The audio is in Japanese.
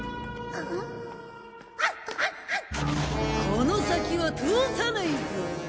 この先は通さないぞ！